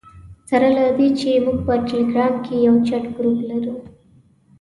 سره له دې چې موږ په ټلګرام کې یو چټ ګروپ لرو.